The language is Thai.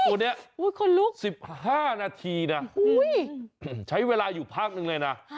คนลุกโห้ยคนลุก๑๕นาทีน่ะใช้เวลาอยู่พักนึงเลยนะ